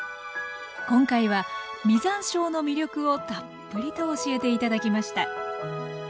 今回は実山椒の魅力をたっぷりと教えて頂きました